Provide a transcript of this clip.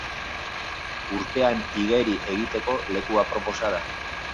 Urpean igeri egiteko leku aproposa da.